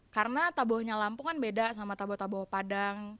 karena tabohnya lampung kan beda sama taboh taboh padang